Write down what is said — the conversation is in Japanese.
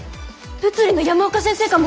物理の山岡先生かも。